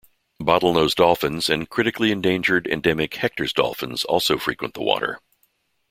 Bottlenose dolphins and critically endangered, endemic Hector's dolphins also frequent the water.